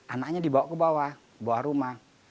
anaknya dibawa ke bawah ke bawah rumah